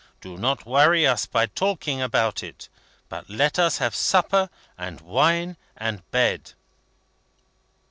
Do not worry us by talking about it, but let us have supper, and wine, and bed."